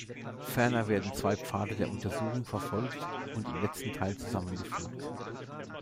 Ferner werden zwei Pfade der Untersuchung verfolgt und im letzten Teil zusammengefügt.